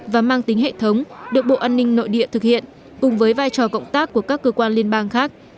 và mang tính hệ thống được bộ an ninh nội địa thực hiện cùng với vai trò cộng tác của các cơ quan liên bang khác